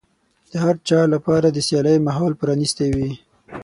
د هر چا لپاره د سيالۍ ماحول پرانيستی وي.